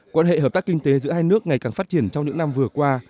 quan hệ hợp tác kinh tế giữa hai nước ngày càng phát triển trong những năm vừa qua